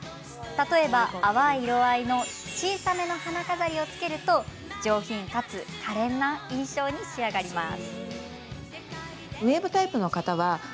例えば、淡い色合いの小さめの花飾りをつけると上品かつ、かれんな印象に仕上がります。